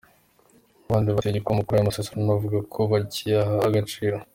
Abandi bateye igikumu kuri ayo masezerano bavuga ko bakiyaha agaciro.